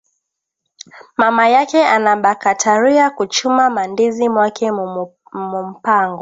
Mama yake anabakatariya ku chuma ma ndizi mwake mu mpango